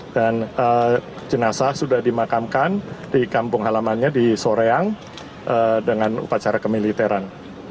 dan jenazah sudah dimakamkan di kampung halamannya di soreang dengan upacara kemiliteran